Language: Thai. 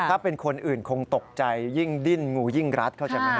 ถ้าเป็นคนอื่นคงตกใจยิ่งดิ้นงูยิ่งรัดเข้าใจไหมฮ